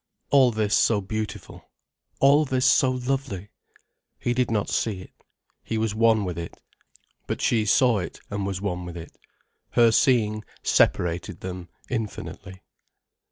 All this so beautiful, all this so lovely! He did not see it. He was one with it. But she saw it, and was one with it. Her seeing separated them infinitely.